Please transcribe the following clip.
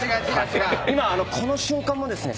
今この瞬間もですね